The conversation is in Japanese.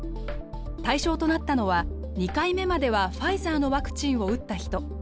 対象となったのは２回目まではファイザーのワクチンを打った人。